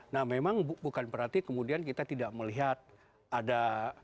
nah memang bukan berarti kemudian kita tidak melihat ada